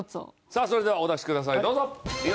さあそれではお出しください。